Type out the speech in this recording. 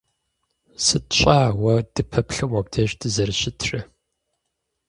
Сыт щӀа уэ дыппэплъэу мобдеж дызэрыщытрэ.